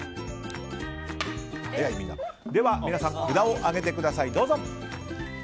では、皆さん札を上げてください。